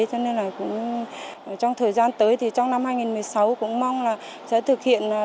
cho nên là cũng trong thời gian tới thì trong năm hai nghìn một mươi sáu cũng mong là sẽ thực hiện